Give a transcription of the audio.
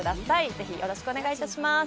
ぜひよろしくお願いいたします。